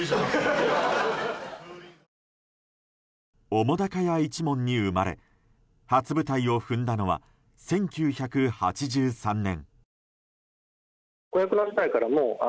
澤瀉屋一門に生まれ初舞台を踏んだのは１９８３年。